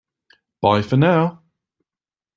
Bye for now!